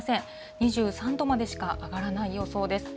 ２３度までしか上がらない予想です。